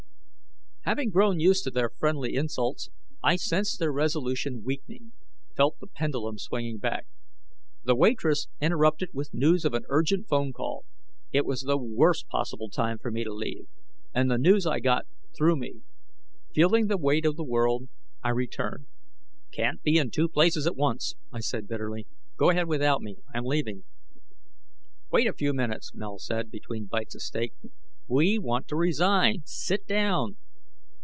Having grown used to their friendly insults, I sensed their resolution weakening, felt the pendulum swinging back. The waitress interrupted with news of an urgent phone call. It was the worst possible time for me to leave. And the news I got threw me. Feeling the weight of the world, I returned. "Can't be in two places at once," I said bitterly. "Go ahead without me; I'm leaving." "Wait a few minutes," Mel said, between bites of steak, "we want to resign. Sit down."